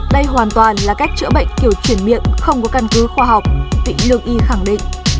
đây hoàn toàn là cách chữa bệnh kiểu chuyển miệng không có căn cứ khoa học viện lương y khẳng định